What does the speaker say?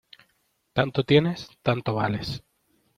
Tanto tienes, tanto vales.